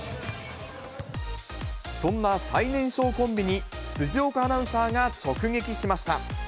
そんな最年少コンビに、辻岡アナウンサーが直撃しました。